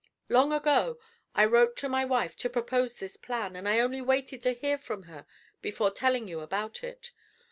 Long ago, I wrote to my wife to propose this plan, and I only waited to hear from her before telling you about it.